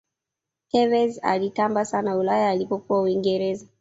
tevez alitamba sana ulaya alipokuwa uingereza